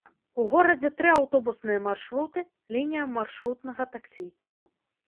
У горадзе тры аўтобусныя маршруты, лінія маршрутнага таксі.